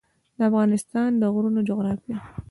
د افغانستان د غرونو جغرافیه